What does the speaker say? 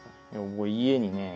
僕家にね